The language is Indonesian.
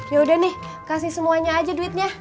ya udah nih kasih semuanya aja duitnya